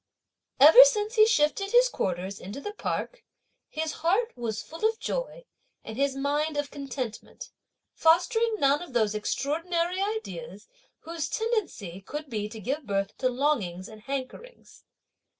Ever since he shifted his quarters into the park, his heart was full of joy, and his mind of contentment, fostering none of those extraordinary ideas, whose tendency could be to give birth to longings and hankerings.